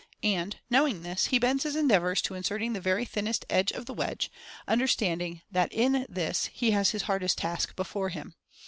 And, knowing this, he bends his endeavors to inserting the very thinnest edge of the wedge, understanding that in this he has his hardest task before him.